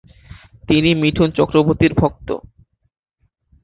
তিনি মিঠুন চক্রবর্তীর ভক্ত।